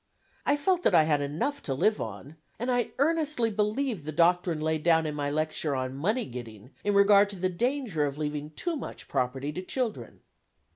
I felt that I had enough to live on, and I earnestly believed the doctrine laid down in my lecture on "Money Getting," in regard to the danger of leaving too much property to children.